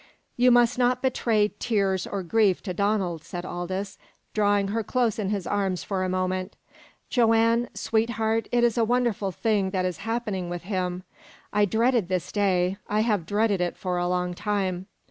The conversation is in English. "You must not betray tears or grief to Donald," said Aldous, drawing her close in his arms for a moment. "Joanne sweetheart it is a wonderful thing that is happening with him! I dreaded this day I have dreaded it for a long time.